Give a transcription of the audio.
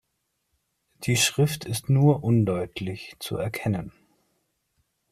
Die Schrift ist nur undeutlich zu erkennen.